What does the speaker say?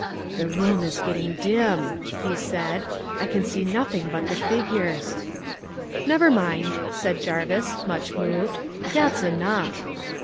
"'The room is getting dim,' he said. 'I can see nothing but the figures.' "'Never mind,' said Jarvis, much moved, 'that's enough.'